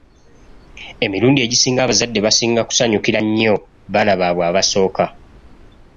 Emirundi egisinga abazadde basinga kusanyukira nnyo baana baabwe abasooka.